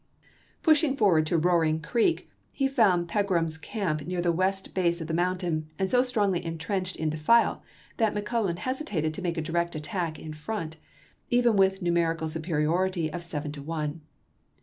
Pushing forward to Roaring Creek he found Pegram's camp near the west base of the mountain, and so strongly intrenched in a defile that McClel lan hesitated to make a direct attack in front, even with numerical superiority of seven to one.